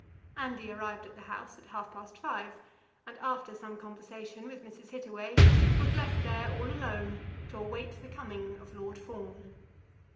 Andy arrived at the house at half past five, and after some conversation with Mrs. Hittaway, was left there all alone to await the coming of Lord Fawn.